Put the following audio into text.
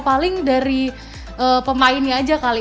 paling dari pemainnya aja kali